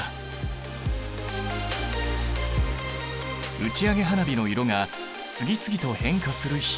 打ち上げ花火の色が次々と変化する秘密。